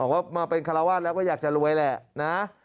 ว่ามาเป็นคาราวาสแล้วก็อยากจะรวยแหละนะ